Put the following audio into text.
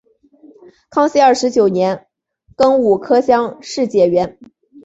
康熙二十九年庚午科乡试解元。